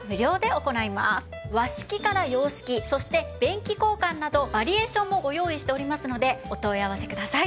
和式から洋式そして便器交換などバリエーションもご用意しておりますのでお問い合わせください。